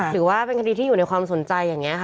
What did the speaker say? หรือว่าเป็นคดีที่อยู่ในความสนใจอย่างนี้ค่ะ